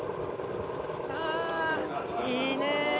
ああいいね。